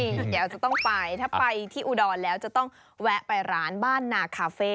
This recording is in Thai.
เดี๋ยวอาจจะต้องไปถ้าไปที่อุดรแล้วจะต้องแวะไปร้านบ้านนาคาเฟ่